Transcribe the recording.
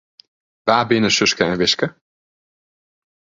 Wa binne Suske en Wiske?